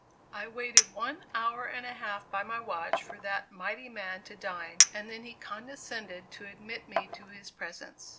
I waited one hour and a half by my watch for that mighty man to dine, and then he condescended to admit me to his presence.